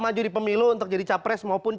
maju di pemilu untuk jadi capres maupun